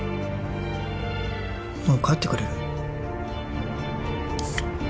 もう帰ってくれる？